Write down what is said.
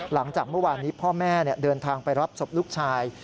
หลังจากเมื่อวานนี้พ่อแม่เดินทางไปรับศพลูกชาย